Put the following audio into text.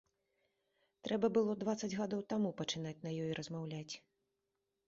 Трэба было дваццаць гадоў таму пачынаць на ёй размаўляць.